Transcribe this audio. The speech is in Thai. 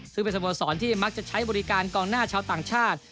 ซึ่งเป็นสโมสรที่มักจะใช้บริการกองหน้าชาวต่างชาติ